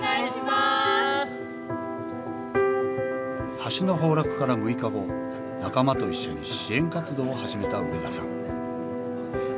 橋の崩落から６日後仲間と一緒に支援活動を始めた植田さん。